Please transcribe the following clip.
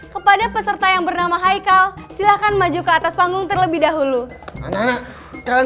kepada peserta yang bernama haikal silahkan maju ke atas panggung terlebih dahulu